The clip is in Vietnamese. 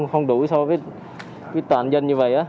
không đủ so với toàn dân như vậy á